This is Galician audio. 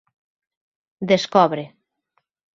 Descobre.